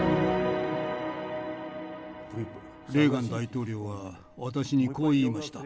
レーガン大統領は私にこう言いました。